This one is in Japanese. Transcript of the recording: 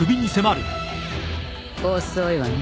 遅いわね